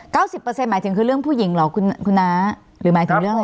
สิบเปอร์เซ็นหมายถึงคือเรื่องผู้หญิงเหรอคุณคุณน้าหรือหมายถึงเรื่องอะไร